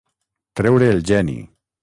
Treure el geni.